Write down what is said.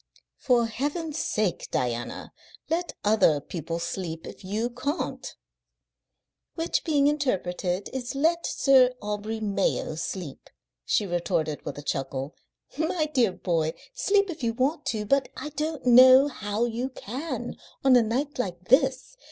"For Heaven's sake, Diana, let other people sleep if you can't." "Which, being interpreted, is let Sir Aubrey Mayo sleep," she retorted, with a chuckle. "My dear boy, sleep if you want to, but I don't know how you can on a night like this.